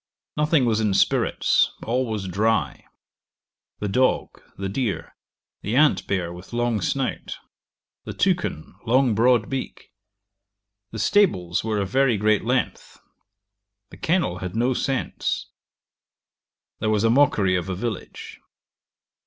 Nothing was in spirits; all was dry. The dog, the deer; the ant bear with long snout. The toucan, long broad beak. The stables were of very great length. The kennel had no scents. There was a mockery of a village.